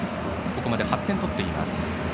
ここまで８点取っています。